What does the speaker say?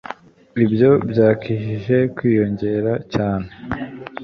Ibyo byakijije kwiyongera cyane.